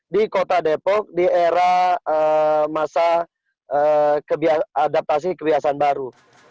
di kota depok di era masa adaptasi kebiasaan baru